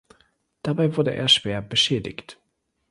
Dabei wurde er schwer beschädigt.